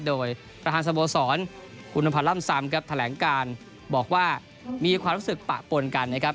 โดยประธานสโมสรคุณพันธ์ล่ำซำครับแถลงการบอกว่ามีความรู้สึกปะปนกันนะครับ